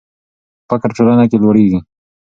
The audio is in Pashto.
فقر په ټولنه کې لوړېږي.